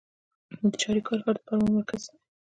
د چاریکار ښار د پروان مرکز دی